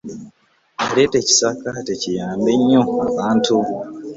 Yaleeta ekisaakaate kiyambye ennyo abantu.